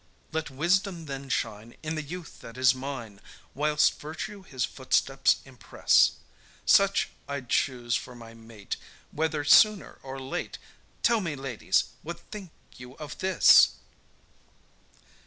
Let wisdom then shine In the youth that is mine, Whilst virtue his footsteps impress; Such I'd choose for my mate, Whether sooner or late: Tell me, Ladies, what think you of this?